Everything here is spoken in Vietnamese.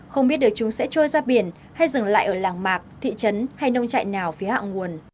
không biết được chúng sẽ trôi ra biển hay dừng lại ở làng mạc thị trấn hay nông trại nào phía hạ nguồn